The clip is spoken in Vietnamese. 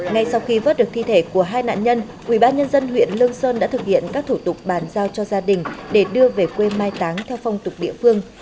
ngay sau khi vớt được thi thể của hai nạn nhân ubnd huyện lương sơn đã thực hiện các thủ tục bàn giao cho gia đình để đưa về quê mai táng theo phong tục địa phương